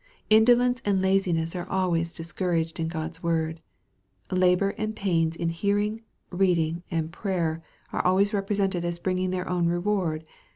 Indolence and lazi ness are always discouraged in God's word. Labor and pains in hearing, reading, and prayer, are alway? represented as bringing their own reward.